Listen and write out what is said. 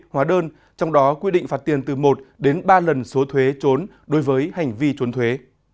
hóa đơn trong đó quy định phạt tiền từ một đến ba lần số thuế trốn đối với hành vi trốn thuế